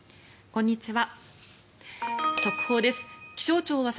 こんにちは。